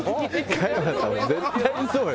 加山さんも絶対にそうよ。